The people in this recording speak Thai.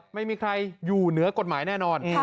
ไม่มีใครอยู่เหนือกฎหมายแน่นอน